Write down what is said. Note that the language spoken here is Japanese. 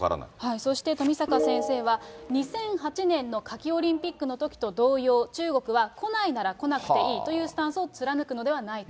そして富坂先生は、２００８年の夏季オリンピックのときと同様、中国は来ないなら来なくていいというスタンスを貫くのではないか。